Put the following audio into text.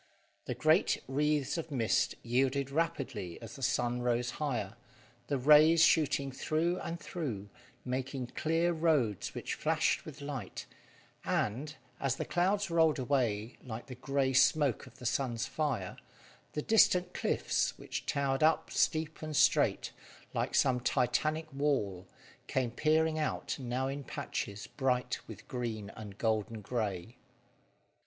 The great wreaths of mist yielded rapidly as the sun rose higher, the rays shooting through and through, making clear roads which flashed with light, and, as the clouds rolled away like the grey smoke of the sun's fire, the distant cliffs, which towered up steep and straight, like some titanic wall, came peering out now in patches bright with green and golden grey.